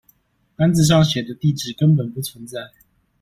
單子上寫的地址根本不存在